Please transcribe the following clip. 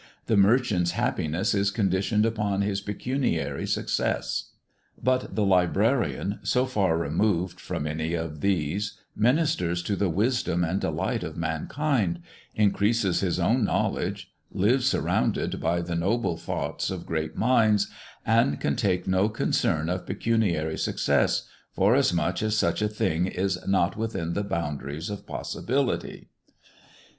The Merchant's happiness is conditioned upon his pecuniary Success. But the Librarian, so far removed from any of these, ministers to the Wisdom and Delight of Mankind, increases his own Knowledge, lives surrounded by the Noble thoughts of great Minds, and can take no Concern of pecuniary Success, forasmuch as such a thing is not within the boundaries of Possibility.